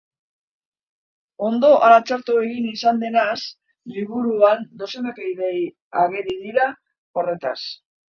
Ondo ala txarto egin izan denaz, liburuan dozenaka ideia ageri dira horretaz.